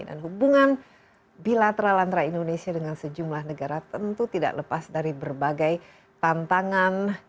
dan hubungan bilateral antara indonesia dengan sejumlah negara tentu tidak lepas dari berbagai tantangan